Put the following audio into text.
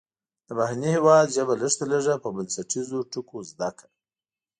د بهرني هیواد ژبه لږ تر لږه په بنسټیزو ټکو زده کړه.